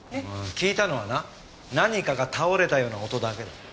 聞いたのはな何かが倒れたような音だけだ。